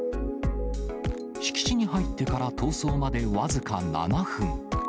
敷地に入ってから逃走まで僅か７分。